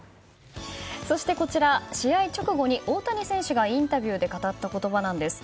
そしてこちら、試合直後に大谷選手がインタビューで語った言葉なんです。